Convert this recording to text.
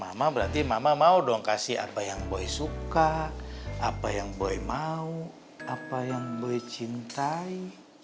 mama berarti mama mau dong kasih apa yang boy suka apa yang boy mau apa yang boy cintai